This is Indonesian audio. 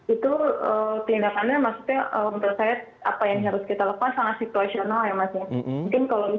itu tindakannya maksudnya untuk saya apa yang harus kita lakukan sangat situasional ya mas